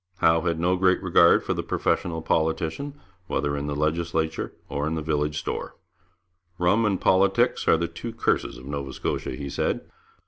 Howe had no great regard for the professional politician, whether in the legislature or in the village store. 'Rum and politics are the two curses of Nova Scotia,' he said.